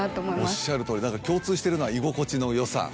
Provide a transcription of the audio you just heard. おっしゃるとおり共通してるのは居心地のよさ。